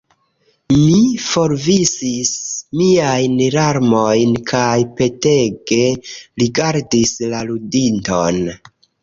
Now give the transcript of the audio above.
Mi forviŝis miajn larmojn kaj petege rigardis la ludinton.